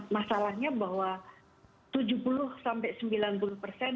masalahnya bahwa tujuh puluh sampai sembilan puluh persen